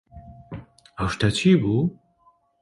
ئەو شتە چی بوو؟